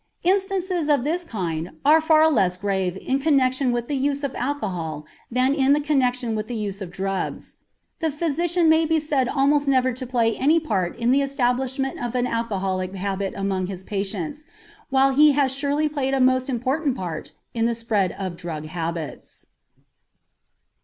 Instances of this kind are far less grave in connection with the use of alcohol than in connection with the use of drugs; the physician may be said almost never to play any part in the establishment of an alcoholic habit among his patients, while he has surely played a most important part in the spread of drug habits.